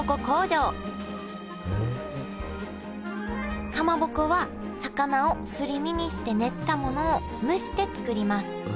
工場かまぼこは魚をすり身にして練ったものを蒸して作ります